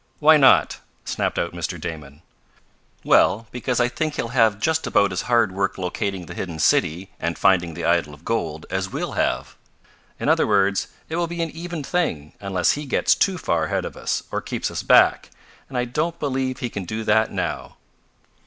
"Why not?" snapped out Mr. Damon. "Well, because I think he'll have just about as hard work locating the hidden city, and finding the idol of gold, as we'll have. In other words it will be an even thing, unless he gets too far ahead of us, or keeps us back, and I don't believe he can do that now.